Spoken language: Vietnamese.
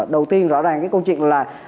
đầu tiên rõ ràng cái câu chuyện là